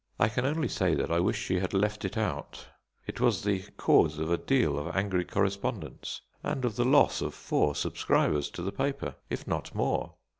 I can only say that I wish she had left it out; it was the cause of a deal of angry correspondence and of the loss of four subscribers to the paper, if not more.